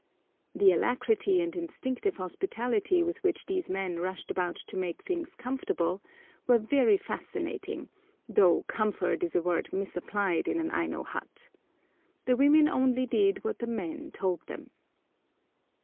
The alacrity and instinctive hospitality with which these men rushed about to make things comfortable were very fascinating, though comfort is a word misapplied in an Aino hut. The women only did what the men told them.